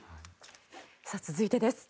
続いてです。